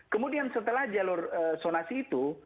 kemudian setelah jalur sonasi itu